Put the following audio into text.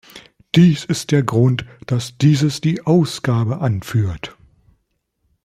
Dies ist der Grund, dass dieses die Ausgabe anführt.